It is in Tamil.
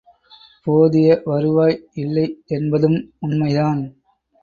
போதிய வருவாய் இல்லை என்பதும் உண்மை தான்!